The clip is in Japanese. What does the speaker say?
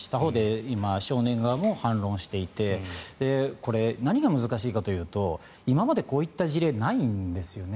他方で少年側も反論していてこれ、何が難しいかというと今までこういった事例はないんですね。